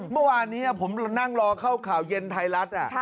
เมื่อวานนี้ผมนั่งรอเข้าข่าวเย็นไทยรัฐ